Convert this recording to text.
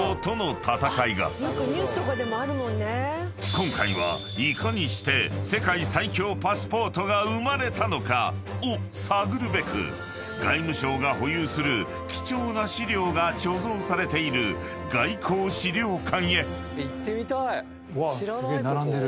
［今回はいかにして世界最強パスポートが生まれたのかを探るべく外務省が保有する貴重な史料が貯蔵されている外交史料館へ］